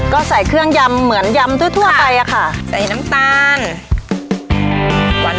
ก็ใส่เครื่องยำเหมือนยำทั่วไปอะค่ะใส่น้ำตาล